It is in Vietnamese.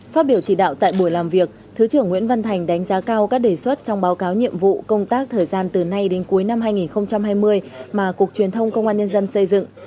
phát biểu chỉ đạo tại buổi làm việc thứ trưởng nguyễn văn thành đánh giá cao các đề xuất trong báo cáo nhiệm vụ công tác thời gian từ nay đến cuối năm hai nghìn hai mươi mà cục truyền thông công an nhân dân xây dựng